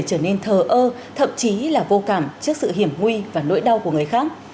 trở nên thờ ơ thậm chí là vô cảm trước sự hiểm nguy và nỗi đau của người khác